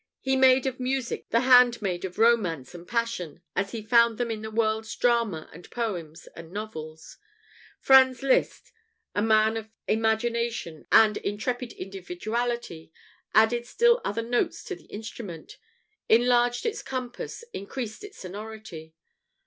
He made of music the handmaid of romance and passion as he found them in the world's dramas and poems and novels. Franz Liszt, a man of fervid imagination and intrepid individuality, added still other notes to the instrument enlarged its compass, increased its sonority.